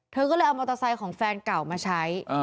เธอก็เลยเอามอเตอร์ไซค์ของแฟนเก่ามาใช้